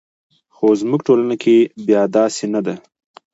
خو زموږ ټولنه کې بیا داسې نه ده.